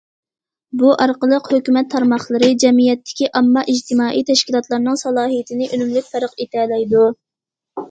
بۇ ئارقىلىق ھۆكۈمەت تارماقلىرى، جەمئىيەتتىكى ئامما ئىجتىمائىي تەشكىلاتلارنىڭ سالاھىيىتىنى ئۈنۈملۈك پەرق ئېتەلەيدۇ.